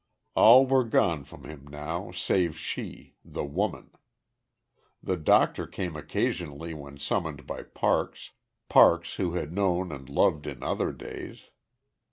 All were gone from him now save She The Woman. The doctor came occasionally when summoned by Parks Parks who had known and loved in other days.